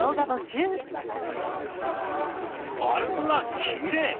あらっきれい！